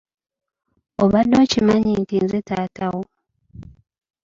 Obadde okimanyi nti nze taata wo.